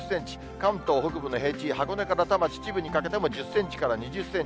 関東北部の平地、箱根から多摩、秩父にかけても、１０センチから２０センチ。